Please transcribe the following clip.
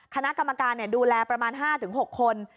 คณะกรรมการดูแลประมาณ๕๖คน